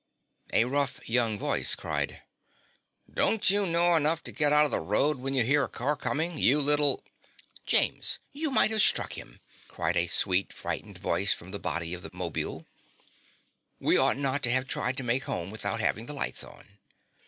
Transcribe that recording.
A rough, young voice cried: "Don't you know enough to get out of the road when you hear a car coming, you little " "James! You might have struck him!" cried a sweet, frightened voice from the body of the 'mobile. "We ought not to have tried to make home without having the lights on."